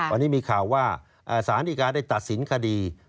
วันนี้มีข่าวว่าสารดีการได้ตัดสินคดี